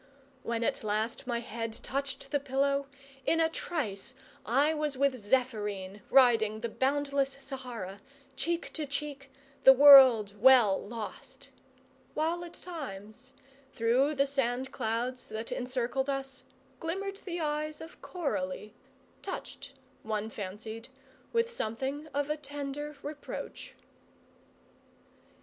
When at last my head touched the pillow, in a trice I was with Zephyrine, riding the boundless Sahara, cheek to cheek, the world well lost; while at times, through the sand clouds that encircled us, glimmered the eyes of Coralie, touched, one fancied, with something of a tender reproach.